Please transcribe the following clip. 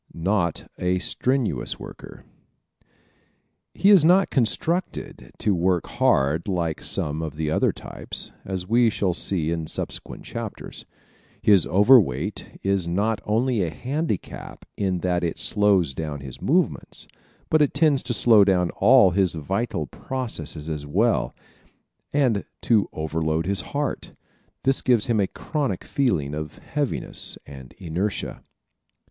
Not a Strenuous Worker ¶ He is not constructed to work hard like some of the other types, as we shall see in subsequent chapters. His overweight is not only a handicap in that it slows down his movements, but it tends to slow down all his vital processes as well and to overload his heart. This gives him a chronic feeling of heaviness and inertia.